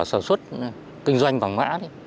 sản xuất kinh doanh phảng bã